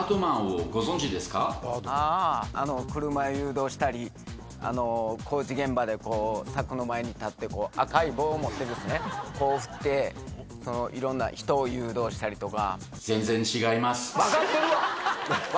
あぁあの車誘導したりあの工事現場で柵の前に立って赤い棒を持ってこう振っていろんな人を誘導したりとか。